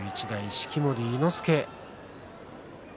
式守伊之助